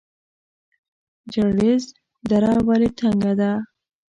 جلریز دره ولې تنګه ده؟